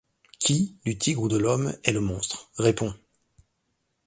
Qui, du tigre ou de l’homme, est le monstre ? réponds.